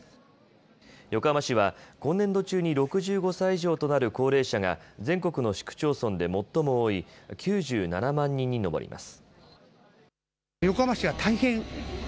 横浜市は今年度中に６５歳以上となる高齢者が全国の市区町村で最も多い９７万人に上ります。